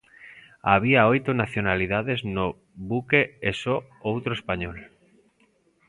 Había oito nacionalidades no buque e só outro español.